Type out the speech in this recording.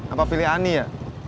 atau pilih ani ya